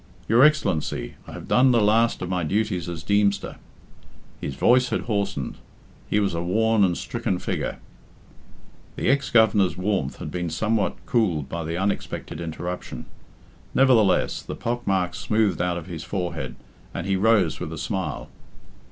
"Your Excellency, I have done the last of my duties as Deemster." His voice had hoarsened. He was a worn and stricken figure. The ex Governor's warmth had been somewhat cooled by the unexpected interruption. Nevertheless, the pock marks smoothed out of his forehead, and he rose with a smile.